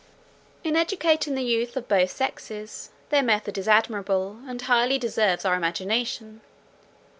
In educating the youth of both sexes, their method is admirable, and highly deserves our imitation.